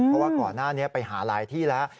เพราะว่าก่อนหน้านี้ไปหาหลายที่แล้ว